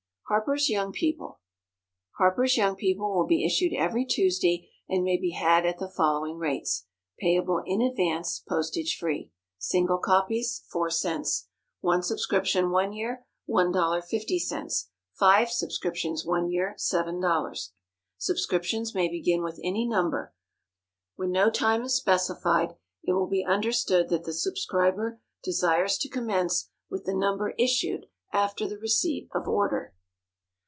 HARPER'S YOUNG PEOPLE. HARPER'S YOUNG PEOPLE will be issued every Tuesday, and may be had at the following rates payable in advance, postage free: SINGLE COPIES $0.04 ONE SUBSCRIPTION, one year 1.50 FIVE SUBSCRIPTIONS, one year 7.00 Subscriptions may begin with any Number. When no time is specified, it will be understood that the subscriber desires to commence with the Number issued after the receipt of order.